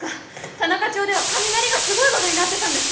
田中町では雷がすごいごどになってたんです。